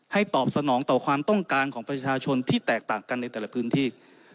ตอบสนองต่อความต้องการของประชาชนที่แตกต่างกันในแต่ละพื้นที่